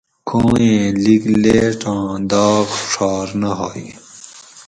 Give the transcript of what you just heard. کویٔیں لِگ لیٹاں داغ ڛاۤر نہ ھوئ